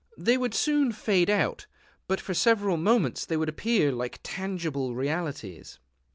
They would soon fade out; but for several moments they would appear like tangible realities.